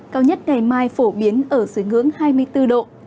cao nhất ngày mai phổ biến ở dưới ngưỡng hai mươi bốn độ